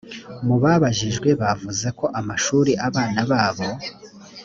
mu babajijwe bavuze ko amashuri abana babo